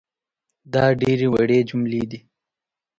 دا ډېرې وړې جملې دي